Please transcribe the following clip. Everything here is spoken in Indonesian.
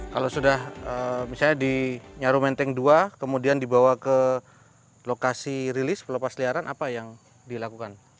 kalau sudah misalnya dinyaru menteng dua kemudian dibawa ke lokasi rilis pelepasliaran apa yang dilakukan